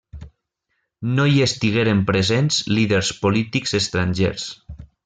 No hi estigueren presents líders polítics estrangers.